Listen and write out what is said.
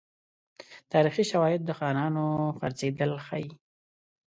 تاریخي شواهد د خانانو خرڅېدل ښيي.